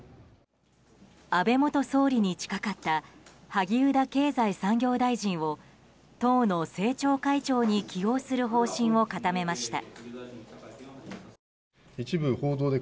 安倍元総理に近かった萩生田経済産業大臣を党の政調会長に起用する方針を固めました。